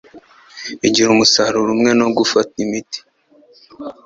bigira umusaruro umwe no gufata imiti